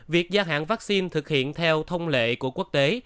việc gia hạn vaccine thực hiện theo thông lệ của quốc tế